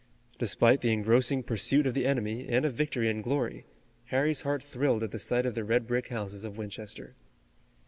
Despite the engrossing pursuit of the enemy and of victory and glory, Harry's heart thrilled at the sight of the red brick houses of Winchester.